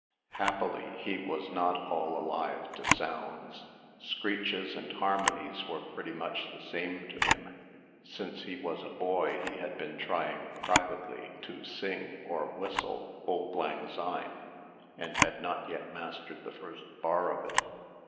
Happily, he was not all alive to sounds. Screeches and harmonies were pretty much the same to him. Since he was a boy, he had been trying (privately) to sing, or whistle, "Auld Lang Syne," and had not yet mastered the first bar of it.